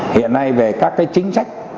hiện nay về các chính sách